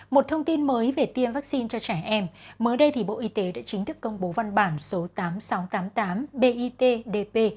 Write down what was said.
một thông tin mới về tiêm vaccine cho trẻ em mới đây thì bộ y tế đã chính thức công bố văn bản số tám nghìn sáu trăm tám mươi tám bitdp